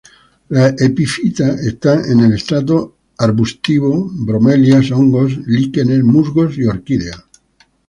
Las epífitas están en el estrato arbustivo: bromelias, hongos, líquenes, musgos y orquídeas.